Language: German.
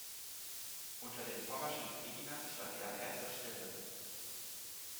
Unter den pommerschen Predigern stand er an erster Stelle.